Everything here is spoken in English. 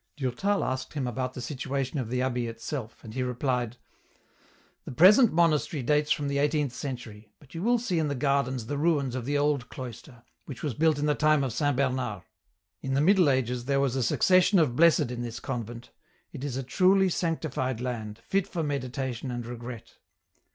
Durtal asked him about the situation of the abbey itself, and he replied, " The present monastery dates from the eighteenth century, but you will see in the gardens the ruins of the old cloister, which was built in the time of Saint Bernard. In the Middle Ages there was a succession of Blessed in this convent ; it is a truly sanctified land, fit for meditation and regret.